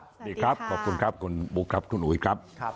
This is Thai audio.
สวัสดีครับขอบคุณครับคุณบุ๊คครับคุณอุ๋ยครับ